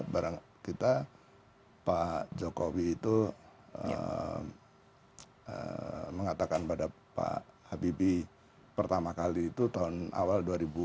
tidak mudah kita pak jokowi itu mengatakan kepada pak habibie pertama kali itu tahun awal dua ribu lima belas